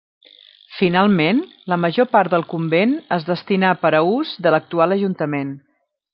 Finalment, la major part del convent es destinà per a ús de l'actual ajuntament.